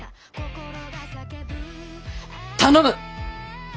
頼む。